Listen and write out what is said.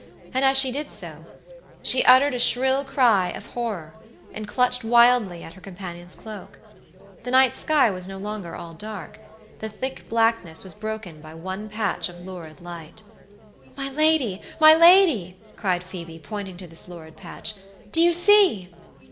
And she did so, she uttered a shrill cry of horror, and clutched wildly at her companion's cloak. The night sky was no longer all dark. The thick blackness was broken by one patch of lurid light. "My lady, my lady!" cried Phoebe, pointing to this lurid patch; "do you see?"